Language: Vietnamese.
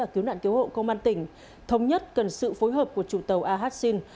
để cứu hộ công an tỉnh thống nhất cần sự phối hợp của chủ tàu ahat sin